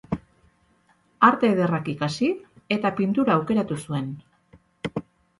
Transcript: Arte ederrak ikasi eta pintura aukeratu zuen.